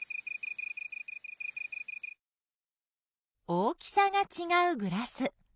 大きさがちがうグラス。